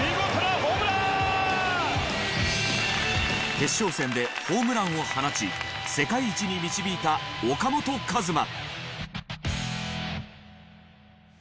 決勝戦でホームランを放ち世界一に導いた岡本和真。